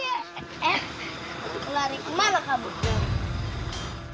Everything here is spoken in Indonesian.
eh lari kemana kabukku